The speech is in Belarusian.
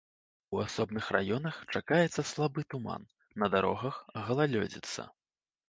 У асобных раёнах чакаецца слабы туман, на дарогах галалёдзіца.